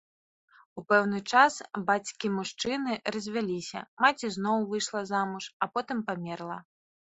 У пэўны час бацькі мужчыны развяліся, маці зноў выйшла замуж а потым памерла.